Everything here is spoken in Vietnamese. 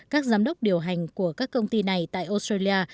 các giám đốc điều hành của các công ty này tại australia